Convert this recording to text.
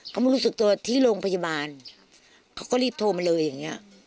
เขามารู้สึกตัวที่โรงพยาบาลเขาก็รีบโทรมาเลยอย่างเงี้ย